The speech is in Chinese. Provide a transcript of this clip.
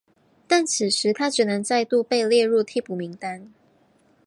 但此时他只能再度被列入替补名单。